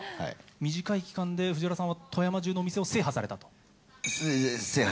短い期間で藤原さんは富山中のお店を制覇されたと？